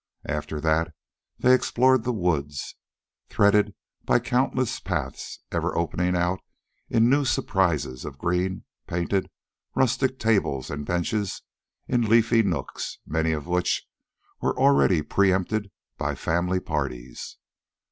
After that they explored the woods, threaded by countless paths, ever opening out in new surprises of green painted rustic tables and benches in leafy nooks, many of which were already pre empted by family parties.